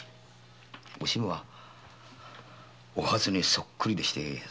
お新はお初にそっくりでしてね